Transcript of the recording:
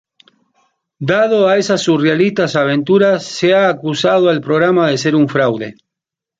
Dado a esas surrealistas aventuras, se ha acusado al programa de ser un fraude.